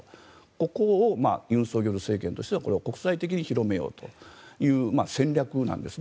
ここを尹錫悦政権としてはこれを国際的に広めようという戦略なんですね。